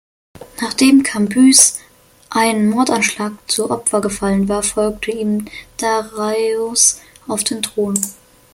Nachdem Kambyses einem Mordanschlag zu Opfer gefallen war, folgte ihm Dareios auf den Thron.